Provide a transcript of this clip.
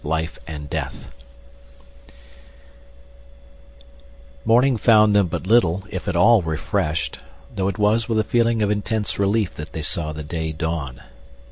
Life and Death Morning found them but little, if at all refreshed, though it was with a feeling of intense relief that they saw the day dawn.